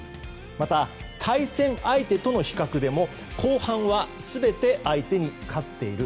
また、対戦相手との比較でも後半は全て相手に勝っている。